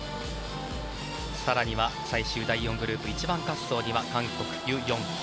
更には最終第４グループ１番滑走には韓国のユ・ヨン。